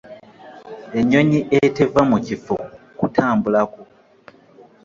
Enyonyi eteva mu kifo kutambulako .